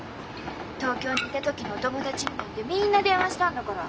東京にいた時のお友達になんてみんな電話したんだから。